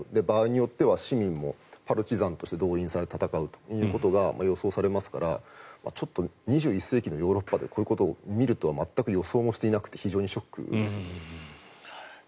場合によっては市民もパルチザンとして動員されて戦うということが予想されていますから２１世紀のヨーロッパでこういうことを見ると全く予想をしていなくて非常にショックです。